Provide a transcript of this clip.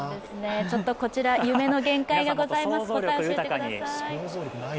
ちょっとこちら、夢の限界がございます、答えを教えてください。